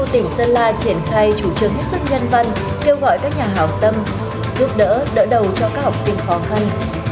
tỉnh sơn la triển khai chủ trương hết sức nhân văn kêu gọi các nhà hào tâm giúp đỡ đỡ đầu cho các học sinh khó khăn